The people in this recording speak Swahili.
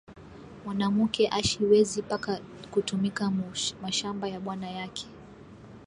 Mwanamuke ashi wezi paka ku tumika mu mashamba ya bwana yake